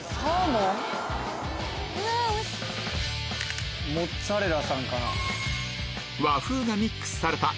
モッツァレラさんかな？